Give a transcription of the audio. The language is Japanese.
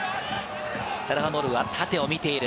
チャルハノールは縦を見ている。